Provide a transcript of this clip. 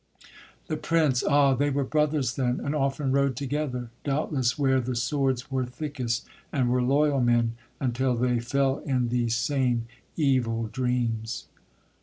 THE PRINCE. Ah, they were brothers then, And often rode together, doubtless where The swords were thickest, and were loyal men, Until they fell in these same evil dreams.